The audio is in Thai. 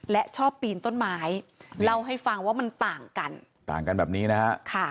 และชอบปีนต้นไม้เล่าให้ฟังว่ามันต่างกันต่างกันแบบนี้นะฮะ